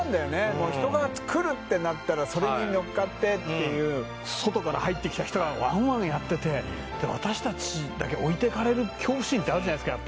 もう人が来るってなったらそれに乗っかってっていう外から入ってきた人がワンワンやっててで私たちだけってあるじゃないですか